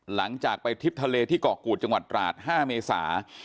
หลังจากไปทริปทะเลที่เกาะกูดจังหวัดตราด๕เมษา